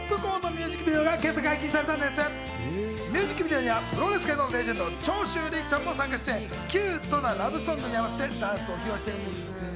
ミュージックビデオにはプロレス界のレジェンド・長州力さんも参加して、キュートなラブソングに合わせてダンスを披露しているんです。